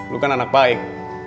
lo kan anak baik